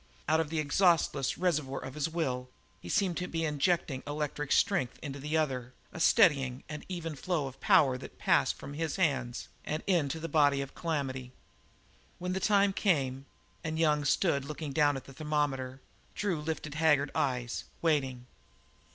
Out of the exhaustless reservoir of his will he seemed to be injecting an electric strength into the other, a steadying and even flow of power that passed from his hands and into the body of Calamity. When the time came, and Young stood looking down at the thermometer, Drew lifted haggard eyes, waiting.